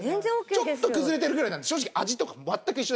ちょっと崩れてるぐらいなので正直。